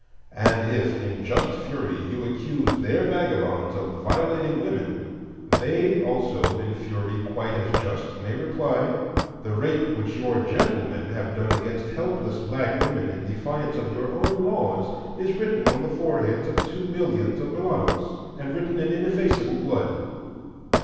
And if in just fury you accuse their vagabonds of violating women, they also in fury quite as just may reply: The rape which your gentlemen have done against helpless black women in defiance of your own laws is written on the foreheads of two millions of mulattoes, and written in ineffaceable blood.